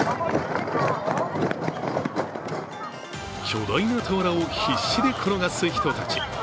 巨大な俵を必死で転がす人たち。